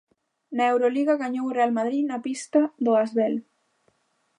Na Euroliga gañou o Real Madrid na pista do Asvel.